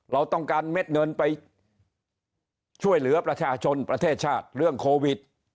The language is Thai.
เราต้องการเม็ดเงินไปช่วยเหลือประชาชนประเทศชาติเรื่องโควิด